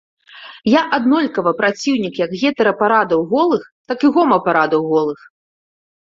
Я аднолькава праціўнік як гетэрапарадаў голых, так і гомапарадаў голых.